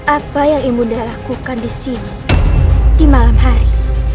apa yang ibu darah lakukan disini di malam hari